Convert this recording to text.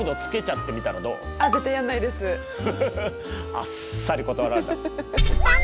あっさり断られた。